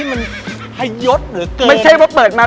เอาง่าย